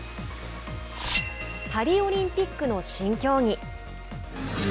パリオリンピックの新競技。